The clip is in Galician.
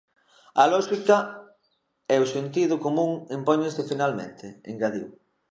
"A lóxica e o sentido común impóñense finalmente", engadiu.